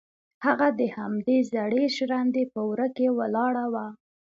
هغه د همدې زړې ژرندې په وره کې ولاړه وه.